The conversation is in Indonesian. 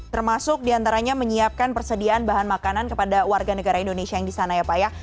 termasuk diantaranya menyiapkan persediaan bahan makanan kepada warga negara indonesia yang di sana ya pak ya